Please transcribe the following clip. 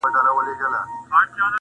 ښایسته د پاچا لور وم پر طالب مینه سومه،